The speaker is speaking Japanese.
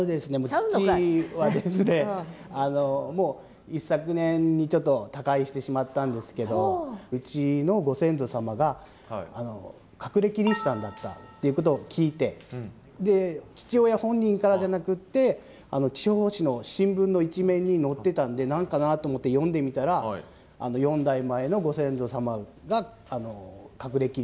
父はですねもう一昨年にちょっと他界してしまったんですけどうちのご先祖様が隠れキリシタンだったっていうことを聞いて父親本人からじゃなくって地方紙の新聞の一面に載ってたんで「何かな？」と思って読んでみたら４代前のご先祖様が隠れキリシタンだったって書いてあって。